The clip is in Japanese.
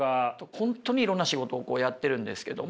本当にいろんな仕事をやってるんですけども。